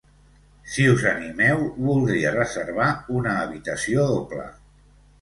Si us animeu, voldria reservar una habitació doble.